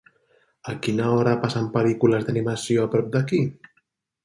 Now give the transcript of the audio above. A quina hora passen pel·lícules d'animació a prop d'aquí?